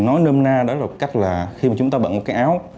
nói nôm na đó là một cách là khi chúng ta bận một cái áo